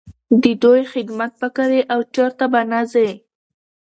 د دوی خدمت به کوې او چرته به نه ځې.